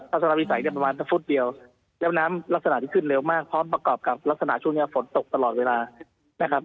ลักษณะวิสัยเนี่ยประมาณสักฟุตเดียวแล้วน้ำลักษณะที่ขึ้นเร็วมากพร้อมประกอบกับลักษณะช่วงนี้ฝนตกตลอดเวลานะครับ